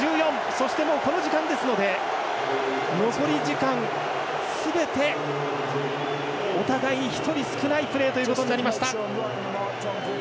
そして、もうこの時間ですので残り時間すべてお互い１人少ないプレーということになりました。